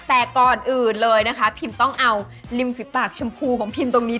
แต่ก่อนอื่นเลยนะคะพิมต้องเอาริมฝีปากชมพูของพิมตรงนี้